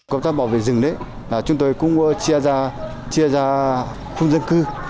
công tác bảo vệ rừng chúng tôi cũng chia ra khu dân cư